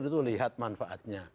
itu lihat manfaatnya